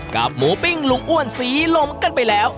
กับหมูปิ้งลุงอ้วนศรีลมกันไปแล้ว